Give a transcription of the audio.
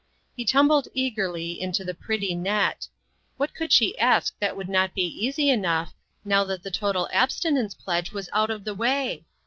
He tumbled eagerly into the pretty net. What could she ask that would not be easy enough, now that the total ab stinence pledge was out of the way?